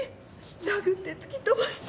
殴って突き飛ばして。